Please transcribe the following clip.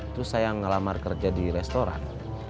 terus saya ngelamar kerja di restoran